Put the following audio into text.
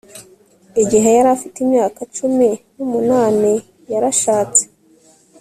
Igihe yari afite imyaka cumi numunani yarashatse